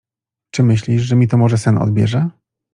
— Czy myślisz, że mi to może sen odbierze?